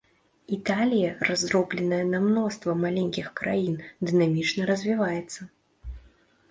Італія, раздробленая на мноства маленькіх краін, дынамічна развіваецца.